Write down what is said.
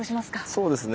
そうですね。